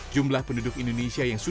jumlah penduduk indonesia yang sudah